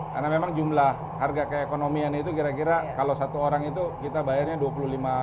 karena memang jumlah harga keekonomian itu kira kira kalau satu orang itu kita bayarnya rp dua puluh lima